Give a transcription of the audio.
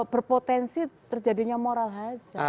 berpotensi terjadinya moral hajj